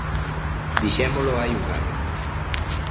Dixémolo hai un ano.